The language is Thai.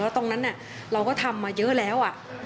แล้วตรงนั้นเราก็ทำมาเยอะแล้วอ่ะ